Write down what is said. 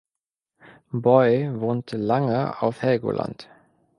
Boy wohnte lange auf Helgoland.